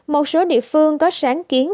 một số địa phương có sáng kiến